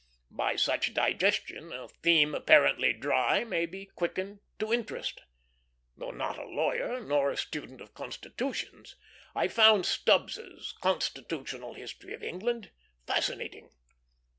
By such digestion a theme apparently dry may be quickened to interest. Though not a lawyer, nor a student of constitutions, I found Stubbs's Constitutional History of England fascinating.